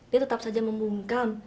dia tetap saja membungkam